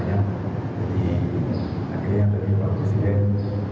jadi akhirnya dari pak presiden